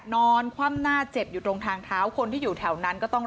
นอนคว่ำหน้าเจ็บอยู่ตรงทางเท้าคนที่อยู่แถวนั้นก็ต้อง